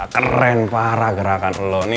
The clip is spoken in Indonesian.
keren parah gerakan lo